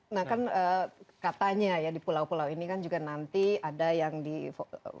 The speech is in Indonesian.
nah kan katanya ya di pulau pulau ini kan juga nanti ada yang di